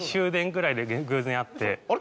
「あれ？